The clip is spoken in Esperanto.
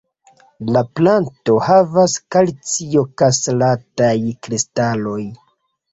La planto havas kalcioksalataj-kristaloj.